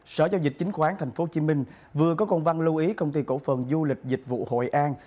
sở giao dịch chính khoán tp hcm vừa có công văn lưu ý công ty cổ phần du lịch dịch vụ hội an